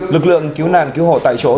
lực lượng cứu nàn cứu hộ tại chỗ